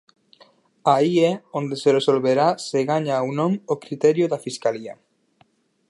Aí é onde se resolverá se gaña ou non o criterio da Fiscalía.